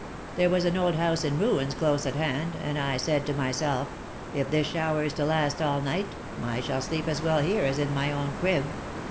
There was an old house in ruins close at hand, and I said to myself, 'If this shower is to last all night, I shall sleep as well here as in my own "crib."'